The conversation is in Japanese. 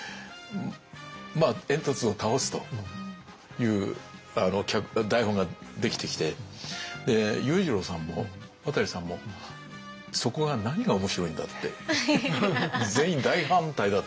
まあ煙突を倒すという台本ができてきて裕次郎さんも渡さんもそこが全員大反対だったんですよ。